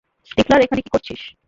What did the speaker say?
Stifler, এখানে কি করছিস?